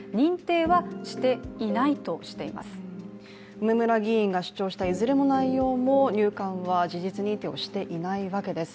梅村議員が主張した、いずれの内容も入管は事実認定はしていないわけです。